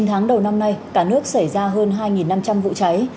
chín tháng đầu năm nay cả nước xảy ra hơn hai năm trăm linh vụ cháy